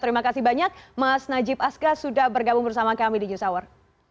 terima kasih banyak mas najib asgas sudah bergabung bersama kami di news hour